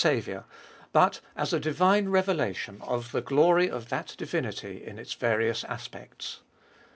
Tbolfeet of BU 49 Saviour, but as a divine revelation of the glory of that divinity in its various aspects.